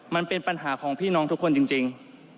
มันเป็นปัญหาของพี่น้องทุกคนจริง